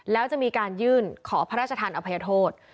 แล้วจะมีการยื่นขอพระราชทานอภัยโทษ